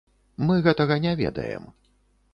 Мы гэтага не ведаем.